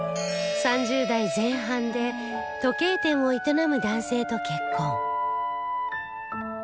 ３０代前半で時計店を営む男性と結婚